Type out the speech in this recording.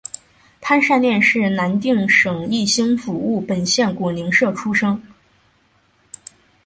潘善念是南定省义兴府务本县果灵社出生。